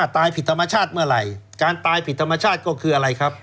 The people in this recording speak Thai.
ตายผิดธรรมชาติเมื่อไหร่การตายผิดธรรมชาติก็คืออะไรครับ